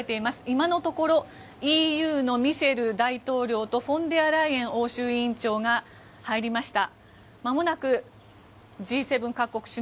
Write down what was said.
今のところＥＵのミシェル大統領とフォンデアライエン欧州委員長が入りました。